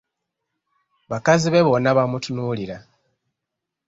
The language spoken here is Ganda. Bakazi be bonna baamutunuulira.